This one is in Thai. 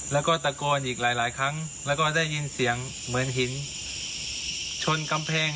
แล้วก็ตะโกนอีกหลายครั้งแล้วก็ได้ยินเสียงเหมือนหินชนกำแพง